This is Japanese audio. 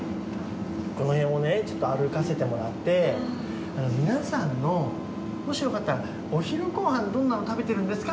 このへんをね歩かせてもらって皆さんのもしよかったらお昼ご飯どんなの食べてるんですか？